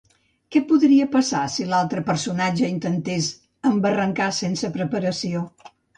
Què podria passar si l'altre personatge intentés embarrancar sense preparació?